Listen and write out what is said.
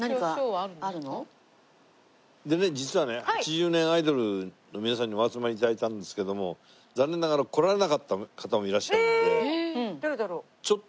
でね実はね８０年アイドルの皆さんにお集まり頂いたんですけども残念ながら来られなかった方もいらっしゃるんで。